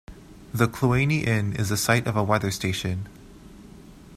The Cluanie Inn is the site of a weather station.